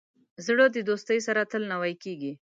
زړه د دوستۍ سره تل نوی کېږي.